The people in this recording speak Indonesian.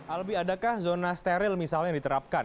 albi adakah zona steril misalnya yang diterapkan